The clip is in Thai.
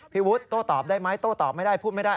พี่วุฒิโต้ตอบได้ไหมโต้ตอบไม่ได้พูดไม่ได้